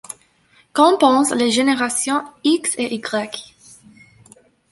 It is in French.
Qu'en pensent les générations X et Y?